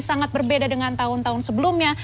sangat berbeda dengan tahun tahun sebelumnya